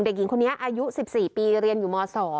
เด็กหญิงคนนี้อายุ๑๔ปีเรียนอยู่ม๒